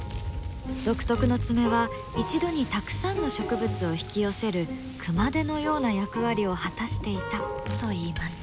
独特の爪は一度にたくさんの植物を引き寄せる熊手のような役割を果たしていたといいます。